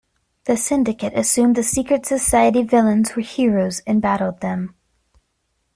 The Syndicate assumed the Secret Society villains were heroes and battled them.